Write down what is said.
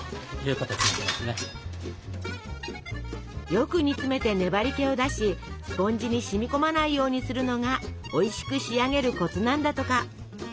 よく煮詰めて粘りけを出しスポンジに染みこまないようにするのがおいしく仕上げるコツなんだとか。